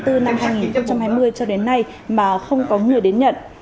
từ tháng bốn năm hai nghìn hai mươi cho đến nay mà không có người đến nhận